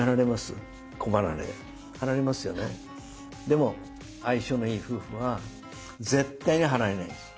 でも相性のいい夫婦は絶対に離れないです。